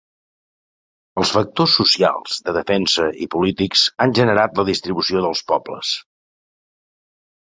Els factors socials, de defensa i polítics han generat la distribució dels pobles.